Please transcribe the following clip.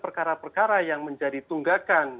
perkara perkara yang menjadi tunggakan